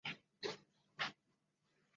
多希巴以垦山为生。